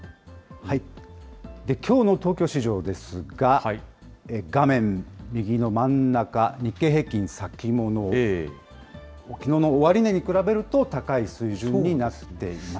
きょうの東京市場ですが、画面右の真ん中、日経平均先物、きのうの終値に比べると高い水準になっています。